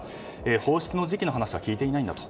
放出の時期の話は聞いていないんだと。